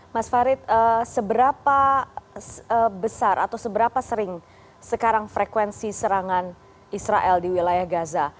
mas farid seberapa besar atau seberapa sering sekarang frekuensi serangan israel di wilayah gaza